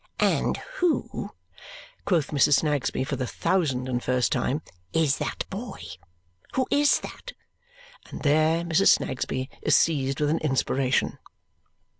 "And who," quoth Mrs. Snagsby for the thousand and first time, "is that boy? Who is that !" And there Mrs. Snagsby is seized with an inspiration.